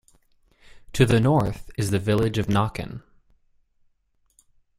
To the north is the village of Knockin.